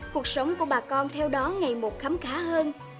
cuộc sống của bà con theo đó ngày một khám khá hơn